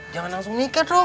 jangan langsung menikah dro